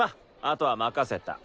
あとは任せた。